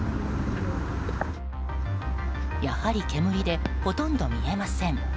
やはり煙でほとんど見えません。